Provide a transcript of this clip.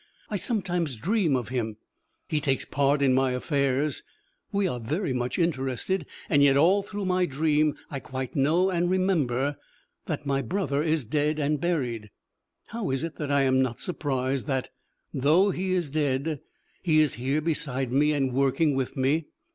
I sometimes dream of him; he takes part in my affairs, we are very much interested, and yet all through my dream I quite know and remember that my brother is dead and buried. How is it that I am not surprised that, though he is dead, he is here beside me and working with me?